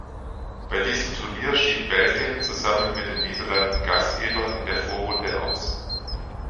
Bei diesem Turnier schied Belgien, zusammen mit den Niederlanden Gastgeber, in der Vorrunde aus.